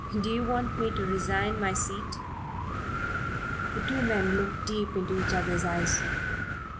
"Do you want me to resign my seat?" The two men looked deep into each other's eyes.